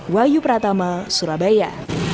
wayu pratama surabaya